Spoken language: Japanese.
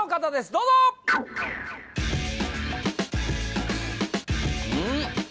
どうぞうん？